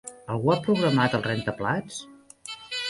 Algú ha programat el rentaplats?